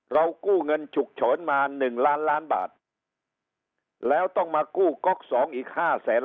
เรากู้เงินฉุกฉนมา๑ล้านล้านบาทแล้วต้องมากู้ก๊อก๒อีก๕แสน